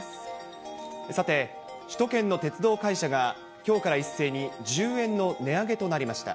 さて、首都圏の鉄道会社がきょうから一斉に１０円の値上げとなりました。